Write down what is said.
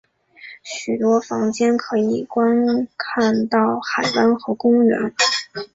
许多房间可以观看到海湾和公园。